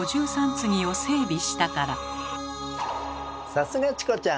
さすがチコちゃん！